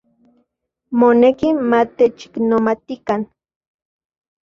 Moneki matechiknomatikan.